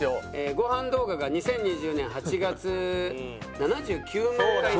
ごはん動画が２０２０年８月７９万回再生。